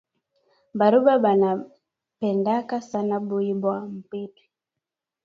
Baluba bana pendaka sana buyi bwa mpwiti